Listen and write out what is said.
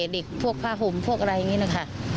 เด็กพวกผ้าห่มพวกอะไรอย่างนี้นะคะ